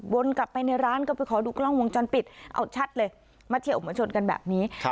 กลับไปในร้านก็ไปขอดูกล้องวงจรปิดเอาชัดเลยมาเที่ยวมาชนกันแบบนี้